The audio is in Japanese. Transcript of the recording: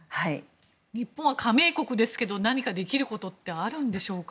日本は加盟国ですが何かできることはあるんでしょうか？